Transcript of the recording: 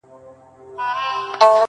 نو په سندرو کي به تا وينمه.